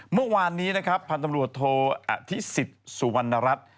เมื่อวานนี้นะครับพันธ์ตำรวจโทอธิสิทธิ์สุวรรณรัฐ